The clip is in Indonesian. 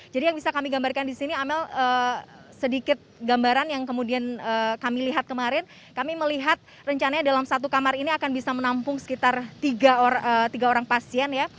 jadi yang bisa kami gambarkan disini amel sedikit gambaran yang kemudian kami lihat kemarin kami melihat rencananya dalam satu kamar ini akan bisa menampung sekitar tiga orang pasien ya